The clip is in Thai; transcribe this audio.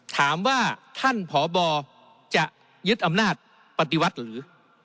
ถามว่าท่านพบจะยึดอำนาจปฏิวัติหรือ